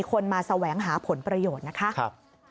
คนมาแสวงหาผลประโยชน์นะคะ